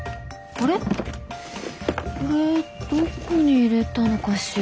あれどこに入れたのかしら。